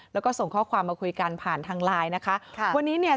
แล้วก็ส่งข้อความมาคุยกันผ่านทางไลน์นะคะค่ะวันนี้เนี่ย